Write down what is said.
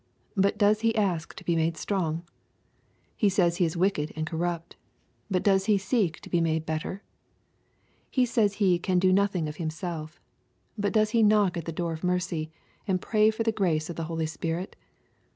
But does he ask to be made strong ?— He says he is " wicked and corrupt." But does he seek to be made better ?— He says he " can do nothing of himself." But does he knock at the door of mercy, and pray for the grace of the Holy Spirit